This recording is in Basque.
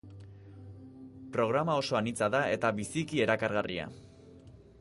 Programa oso anitza da eta biziki erakargarria.